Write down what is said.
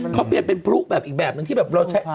เขาเปลี่ยนเป็นพลุแบบอีกแบบนึงที่แบบเราใช้